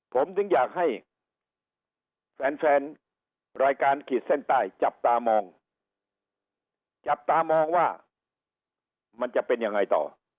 ผมถึงอยากให้แฟนแฟนรายการขีดเส้นใต้จับตามองจับตามองว่ามันจะเป็นยังไงต่อ